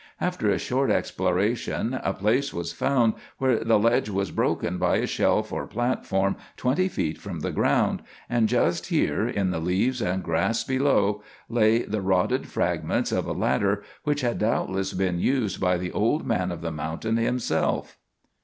After a short exploration a place was found where the ledge was broken by a shelf or platform twenty feet from the ground; and just here, in the leaves and grass below, lay the rotted fragments of a ladder which had doubtless been used by the old man of the mountain himself.